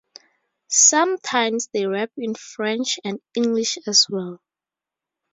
Sometimes they rap in French and English as well.